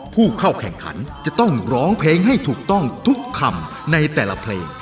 ผู้เข้าแข่งขันจะต้องร้องเพลงให้ถูกต้องทุกคำในแต่ละเพลง